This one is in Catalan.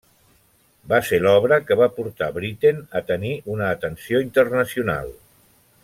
Va ser l'obra que va portar Britten a tenir una atenció internacional.